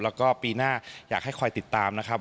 แล้วก็ปีหน้าอยากให้คอยติดตามนะครับ